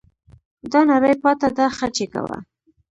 دا نړۍ پاته ده خرچې کوه